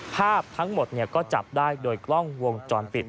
ภาพทั้งหมดก็จับได้โดยกล้องวงจรปิด